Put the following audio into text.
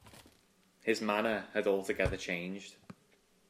His manner had altogether changed.